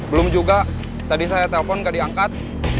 belum juga tadi saya telpon gak diangkat